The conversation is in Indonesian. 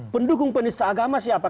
pendukung penista agama siapa